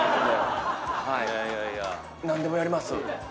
何でもやります。